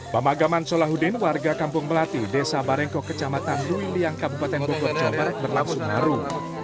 pemagaman solahuddin warga kampung melati desa barengko kecamatan luiliang kabupaten bogor jawa barat berlangsung ngaruh